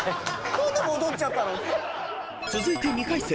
何で戻っちゃったの⁉［続いて２回戦。